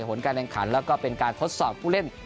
ผลการแข่งขันแล้วก็เป็นการทดสอบผู้เล่น